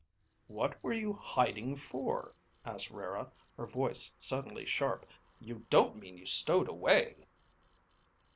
"What were you hiding for?" asked Rara, her voice suddenly sharp. "You don't mean you stowed away?"